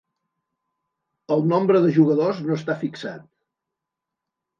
El nombre de jugadors no està fixat.